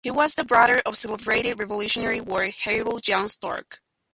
He was the brother of celebrated Revolutionary war hero John Stark.